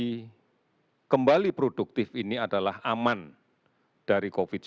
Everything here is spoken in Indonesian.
sehingga kita tahu tujuan dari kembali produktif ini adalah aman dari covid sembilan belas